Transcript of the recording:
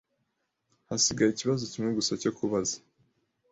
Hasigaye ikibazo kimwe gusa cyo kubaza.